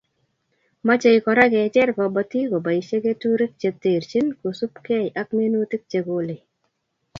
Mochei Kora kecher kobotik koboise keturek che terchin kosubkei ak minutik che kolei